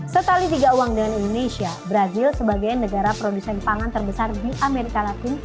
setali tiga uang dengan indonesia brazil sebagai negara produsen pangan terbesar di amerika latin